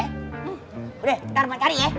udah ntar mak cari ya